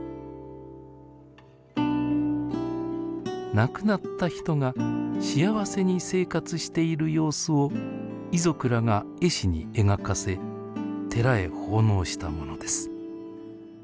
亡くなった人が幸せに生活している様子を遺族らが絵師に描かせ寺へ奉納したものです。